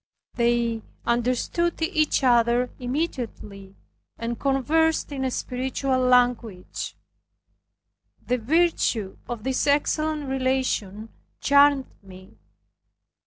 They understood each other immediately and conversed in a spiritual language. The virtue of this excellent relation charmed me.